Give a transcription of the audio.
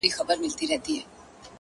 نه پاته کيږي- ستا د حُسن د شراب- وخت ته-